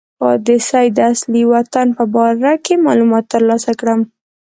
د سید د اصلي وطن په باره کې معلومات ترلاسه کړم.